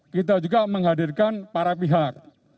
kita juga menghadirkan para pihak